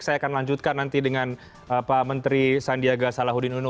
saya akan lanjutkan nanti dengan pak menteri sandiaga salahuddin uno